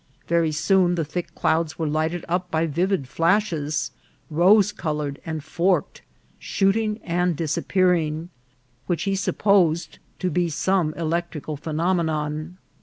Very soon the thick clouds were lighted up by vivid flashes, rose coloured and forked, shooting and disappearing, which he supposed to be some electrical phenomenon.